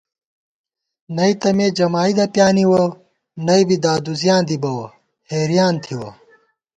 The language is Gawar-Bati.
نئ تہ مے جمائید پیانِوَہ ، نئ بی دادُوزِیاں دی بَوَہ ، حېریان تھِوَہ